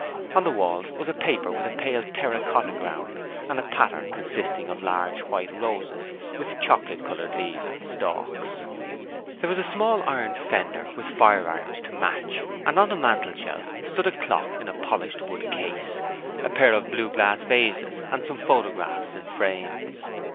On the walls was a paper with a pale terra cotta ground and a pattern consisting of large white roses with chocolate coloured leaves and stalks. There was a small iron fender with fire irons to match, and on the mantelshelf stood a clock in a polished wood case, a pair of blue glass vases, and some photographs in frames.